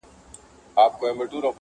یار نمک حرام نه یم چي هغه کاسه ماته کړم,